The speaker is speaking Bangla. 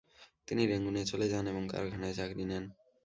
তিনি রেঙ্গুনে চলে যান এবং কারখানায় চাকরি নেন।